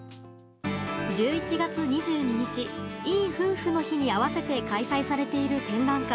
１１月２２日いいふうふの日に合わせて開催されている展覧会。